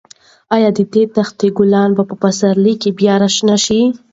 ایا د دښتې ګلان به په پسرلي کې بیا راشنه شي؟